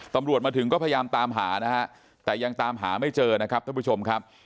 ตำรวจมาถึงก็พยายามตามหานะฮะแต่ยังตามหาไม่เจอนะครับท่านผู้ชมครับ